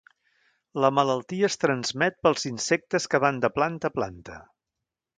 La malaltia es transmet pels insectes que van de planta a planta.